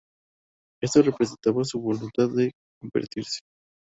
Esto representaba su voluntad de convertirse.